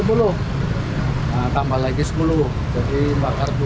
nah tambah lagi sepuluh jadi bakar dua puluh lima